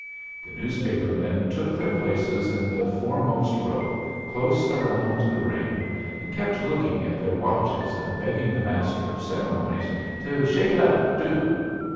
The newspaper men took their places in the foremost row close around the ring, and kept looking at their watches and begging the master of ceremonies to "shake it up, do."